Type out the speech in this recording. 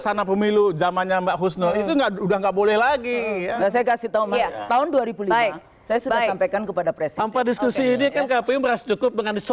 saya sudah sampaikan kepada presiden